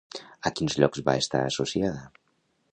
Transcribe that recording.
A quins llocs va estar associada?